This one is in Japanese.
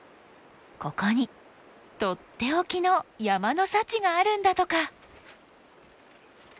ここにとっておきの山の幸があるんだとか。